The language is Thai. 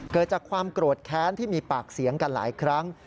เกิดจากความโกรธแค้นที่มีปากเสียงกันหลายครั้ง